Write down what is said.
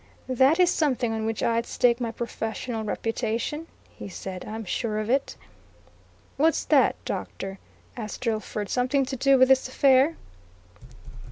"That is something on which I'd stake my professional reputation," he said. "I'm sure of it." "What's that, Doctor?" asked Drillford. "Something to do with this affair?"